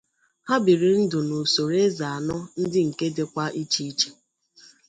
Ha biri ndụ na usoro eze anọ ndị nke dịkwa iche iche.